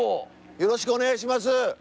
よろしくお願いします。